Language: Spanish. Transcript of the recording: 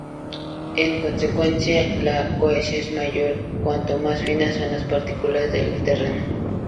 En consecuencia, la cohesión es mayor cuanto más finas son las partículas del terreno.